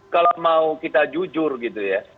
kalau mau kita jujur gitu ya